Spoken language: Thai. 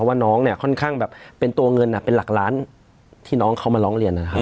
ว่าน้องเนี่ยค่อนข้างแบบเป็นตัวเงินเป็นหลักล้านที่น้องเขามาร้องเรียนนะครับ